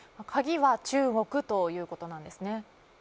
鍵は中国ということなんですね。